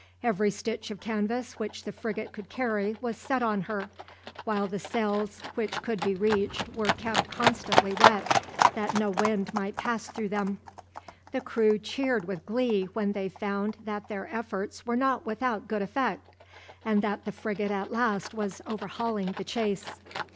Every stitch of canvas which the frigate could carry was set on her, while the sails which could be reached were kept constantly wet, that no wind might pass through them. The crew cheered with glee when they found that their efforts were not without good effect, and that the frigate at last was overhauling the chase.